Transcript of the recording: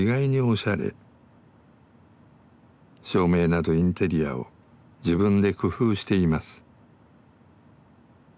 照明などインテリアを自分で工夫しています。